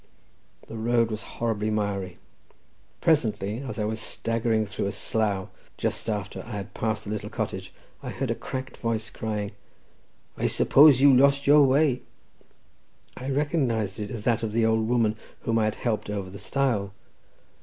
The road was horribly miry; presently, as I was staggering through a slough, just after I had passed a little cottage, I heard a cracked voice crying, "I suppose you lost your way?" I recognised it as that of the old woman whom I had helped over the stile.